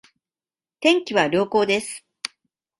天気は良好です